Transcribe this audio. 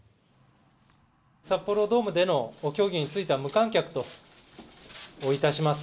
札幌ドームでの競技については、無観客といたします。